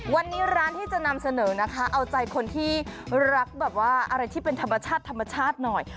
วันนี้ร้านที่จะนำเสนอนะคะเอาใจคนที่รักแบบว่าอะไรที่เป็นธรรมชาติธรรมชาติหน่อย